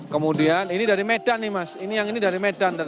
kemudian ini dari medan nih mas ini yang ini dari medan